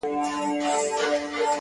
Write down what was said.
• بس دا یو خوی مي د پښتنو دی ,